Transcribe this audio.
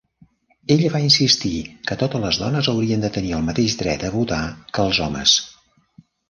Ella va insistir que totes les dones haurien de tenir el mateix dret a votar que els homes.